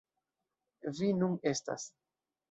Vi nun estas.